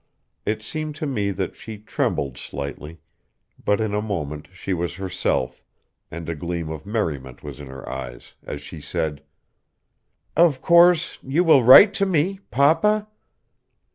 It seemed to me that she trembled slightly, but in a moment she was herself, and a gleam of merriment was in her eyes, as she said: "Of course you will write to me papa?"